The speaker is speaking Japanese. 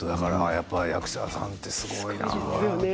やっぱり役者さんってすごいなって。